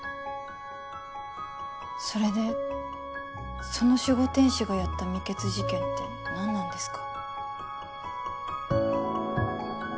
それでその守護天使がやった未決事件って何なんですか？